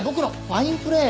ファインプレー？